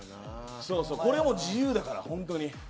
これも自由だから、本当に。